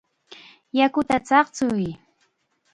¡Yakuta chaqchuy!